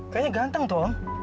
kayaknya ganteng tuh om